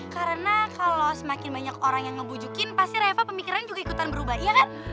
karena kalo semakin banyak orang yang ngebujukin pasti reva pemikiran juga ikutan berubah iya kan